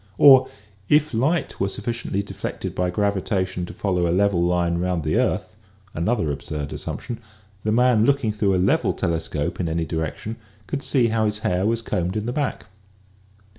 Or if light were sufficiently deflected by gravitation to follow a level line around the earth — another absurd assumption — the man looking through a level telescope in any direction could see how his hair was combed in the back.